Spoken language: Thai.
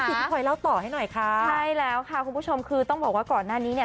พี่พลอยเล่าต่อให้หน่อยค่ะใช่แล้วค่ะคุณผู้ชมคือต้องบอกว่าก่อนหน้านี้เนี่ย